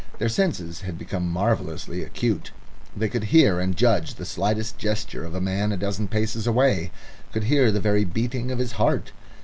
Their senses had become marvellously acute; they could hear and judge the slightest gesture of a man a dozen paces away could hear the very beating of his heart.